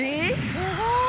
すごい。